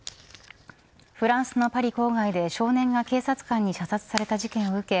フランスのパリ郊外で少年が警察官に射殺された事件を受け